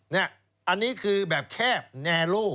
อันนี้คือแบบแคบแนโล่